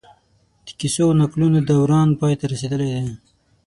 د کيسو او نکلونو دوران پای ته رسېدلی دی